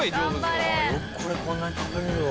よくこれこんなに食べれるわ。